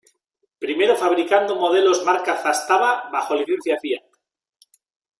Primero fabricando modelos marca Zastava bajo licencia Fiat.